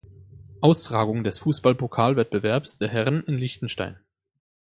Austragung des Fussballpokalwettbewerbs der Herren in Liechtenstein.